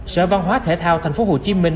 sở văn hóa thể thao thành phố hồ chí minh